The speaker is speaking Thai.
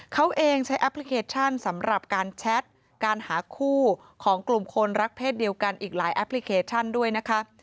เขาเองใช้แอปพลิเคชันสำหรับการแชทการหาคู่ของกลุ่มคนรักเศษเดียวกันอีกหลายแอปพลิเคชันด้วยนะคะ